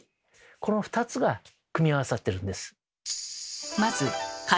この２つが組み合わさってるんです。